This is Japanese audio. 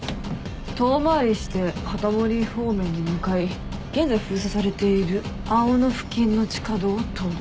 遠回りしてはたもり方面に向かい現在封鎖されている青野付近の地下道を通る。